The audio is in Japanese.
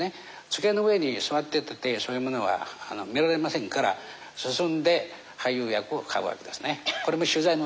机の上に座ってたってそういうものは見られませんから進んで俳優役を買うわけですね。